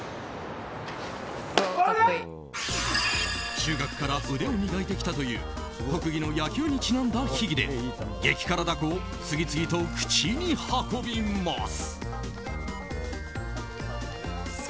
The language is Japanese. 中学から腕を磨いてきたという特技の野球にちなんだ秘技で激辛ダコを次々と口に運びます。